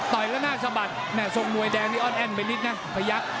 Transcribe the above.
ยแล้วหน้าสะบัดแม่ทรงมวยแดงนี่อ้อนแอ้นไปนิดนะพยักษ์